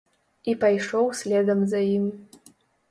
І пайшоў следам за ім.